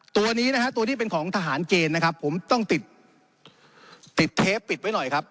ตัวนี้นะฮะตัวนี้เป็นของทหารเกณฑ์นะครับผมต้องติดติดเทปปิดไว้หน่อยครับ